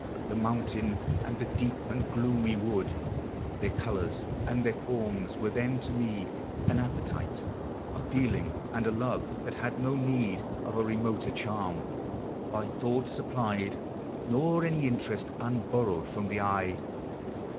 The mountain, and the deep and gloomy wood, Their colors and their forms, were then to me An appetite; a feeling and a love, That had no need of a remoter charm By thought supplied, nor any interest Unborrowed from the eye.